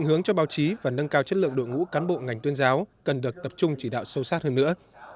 huyền tuyên giáo cần được tập trung chỉ đạo sâu sát hơn nữa